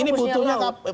ini butuhnya kapal